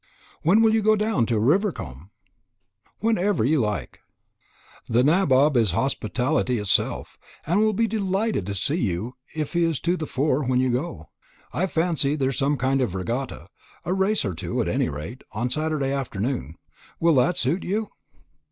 When will you go down to Rivercombe?" "Whenever you like." "The nabob is hospitality itself, and will be delighted to see you if he is to the fore when you go. I fancy there is some kind of regatta a race or two, at any rate on Saturday afternoon. Will that suit you?"